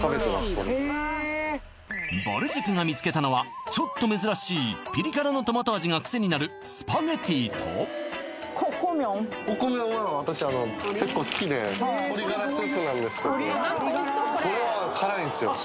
これぼる塾が見つけたのはちょっと珍しいピリ辛のトマト味がクセになるスパゲッティとココ麺ココ麺は私結構好きで鶏ガラスープなんですけどこれは辛いんですよ